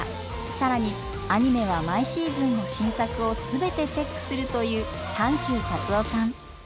更にアニメは毎シーズンの新作を全てチェックするというサンキュータツオさん。